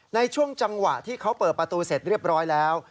ในช่วงจังหวะที่เขาเปิดประตูเสร็จเรียบร้อยแล้ว